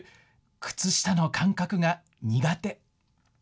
靴下の感覚が苦手。